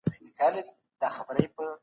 همدا تخم به